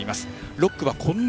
６区は近藤。